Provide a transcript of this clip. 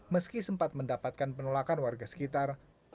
meski sempat mendapatkan penolakan warga sekitar